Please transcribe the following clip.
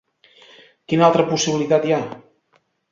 Quina altra possibilitat hi ha?